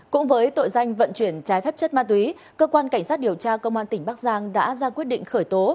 cũng với tội danh vận chuyển trái phép chất ma túy cơ quan cảnh sát điều tra công an tỉnh bắc giang đã ra quyết định khởi tố